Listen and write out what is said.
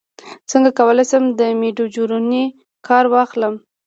څنګه کولی شم د میډجورني کار واخلم